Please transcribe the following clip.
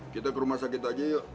kita ke rumah sakit aja yuk